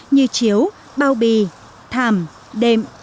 như chiếu bao bì thảm đệm